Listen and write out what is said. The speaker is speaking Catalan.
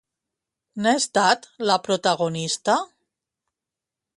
N'ha estat la protagonista?